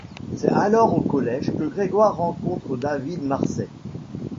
C'est alors au collège que Grégoire rencontre David Marsais.